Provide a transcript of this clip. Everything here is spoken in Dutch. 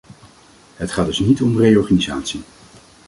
Het gaat dus niet om reorganisatie.